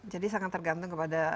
jadi sangat tergantung kepada